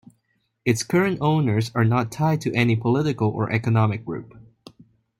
Its current owners are not tied to any political or economic group.